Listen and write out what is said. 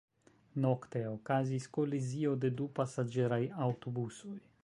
Nokte okazis kolizio de du pasaĝeraj aŭtobusoj.